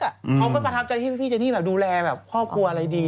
เขาก็ประทับใจที่พี่เจนี่แบบดูแลแบบครอบครัวอะไรดี